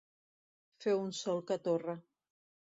Fer un sol que torra.